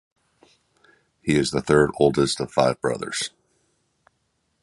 He is the third oldest of five brothers.